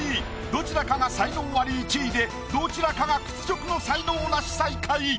どちらかが才能アリ１位でどちらかが屈辱の才能ナシ最下位。